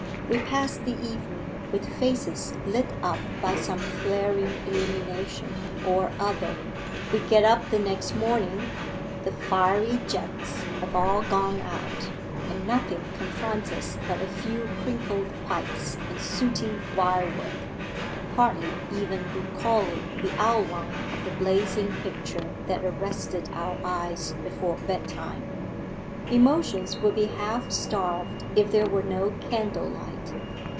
We pass the evening with faces lit up by some flaring illumination or other: we get up the next morning the fiery jets have all gone out, and nothing confronts us but a few crinkled pipes and sooty wirework, hardly even recalling the outline of the blazing picture that arrested our eyes before bedtime. Emotions would be half starved if there were no candle light.